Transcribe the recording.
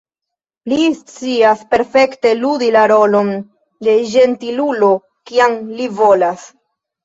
Li scias perfekte ludi la rolon de ĝentilulo, kiam li volas.